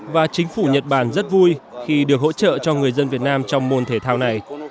và chính phủ nhật bản rất vui khi được hỗ trợ cho người dân việt nam trong môn thể thao này